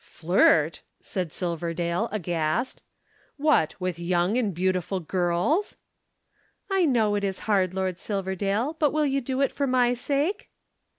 "Flirt?" said Silverdale, aghast. "What! With young and beautiful girls?" "I know it is hard, Lord Silverdale, but you will do it for my sake!"